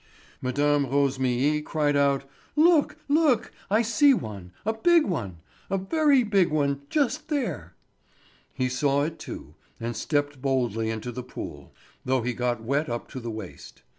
Mme. Rosémilly cried out: "Look, look, I see one, a big one. A very big one, just there!" He saw it too, and stepped boldly into the pool, though he got wet up to the waist.